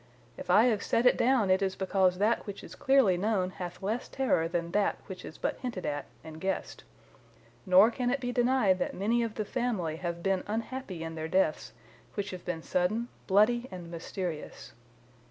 If I have set it down it is because that which is clearly known hath less terror than that which is but hinted at and guessed. Nor can it be denied that many of the family have been unhappy in their deaths, which have been sudden, bloody, and mysterious.